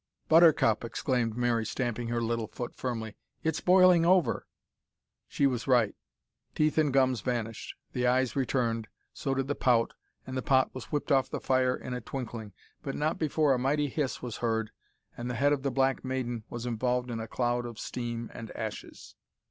"Buttercup," exclaimed Mary, stamping her little foot firmly, "it's boiling over!" She was right. Teeth and gums vanished. The eyes returned, so did the pout, and the pot was whipped off the fire in a twinkling, but not before a mighty hiss was heard and the head of the black maiden was involved in a cloud of steam and ashes!